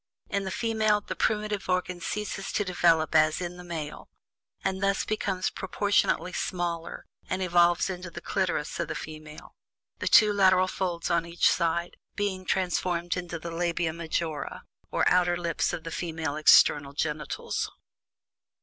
In the female, the primitive organ ceases to develop as in the male, and thus becomes proportionately smaller, and evolves into the clitoris of the female; the two lateral folds, on each side, being transformed into the labia majora, or "outer lips" of the female external genitals.